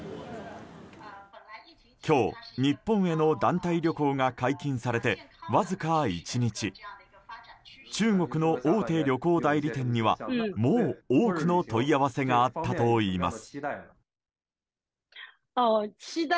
今日、日本への団体旅行が解禁されてわずか１日中国の大手旅行代理店にはもう多くの問い合わせがあったといいます。